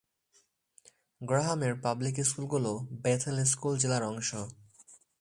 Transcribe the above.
গ্রাহামের public স্কুলগুলো Bethel school জেলার অংশ।